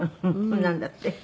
なんだって？